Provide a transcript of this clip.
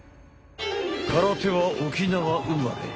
空手は沖縄生まれ。